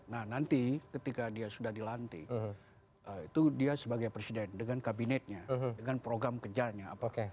nah nanti ketika dia sudah dilantik itu dia sebagai presiden dengan kabinetnya dengan program kejarnya